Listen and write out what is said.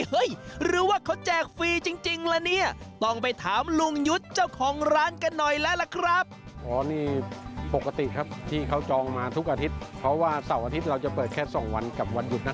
เห้ยหรือว่าเขาแจกฟรีจริงละเนี่ยต้องไปถามลุงยุชเจ้าของร้านกันหน่อยแล้วครับ